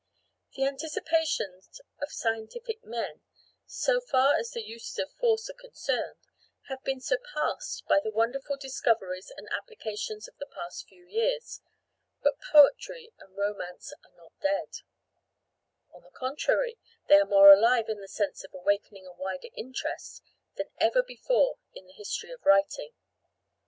The anticipations of scientific men, so far as the uses of force are concerned, have been surpassed by the wonderful discoveries and applications of the past few years; but poetry and romance are not dead; on the contrary, they are more alive in the sense of awakening a wider interest than ever before in the history of writing.